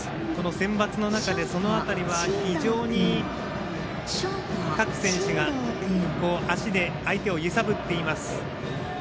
センバツの中でその辺りは非常に各選手が足で相手を揺さぶっています。